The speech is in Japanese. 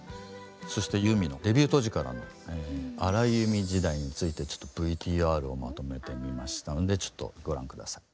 そしてユーミンのデビュー当時からの荒井由実時代についてちょっとＶＴＲをまとめてみましたのでちょっとご覧下さい。